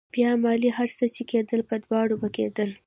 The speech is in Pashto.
بيا مالې هر څه چې کېدل په دواړو به کېدل.